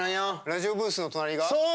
ラジオブースの隣が？